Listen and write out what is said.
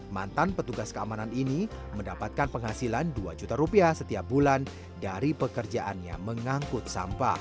mantan petugas keamanan ini mendapatkan penghasilan dua juta rupiah setiap bulan dari pekerjaannya mengangkut sampah